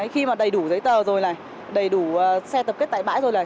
khi mà đầy đủ giấy tờ rồi này đầy đủ xe tập kết tại bãi rồi này